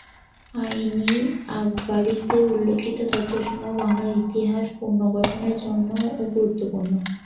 আইন-ই-আকবরীতে উল্লিখিত তথ্যসমূহ বাংলার ইতিহাস পুনর্গঠনের জন্যও গুরুত্বপূর্ণ।